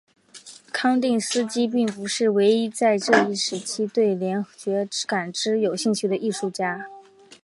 康定斯基并不是唯一在这一时期对联觉感知有兴趣的艺术家。